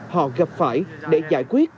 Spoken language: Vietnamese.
họ gặp phải để giải quyết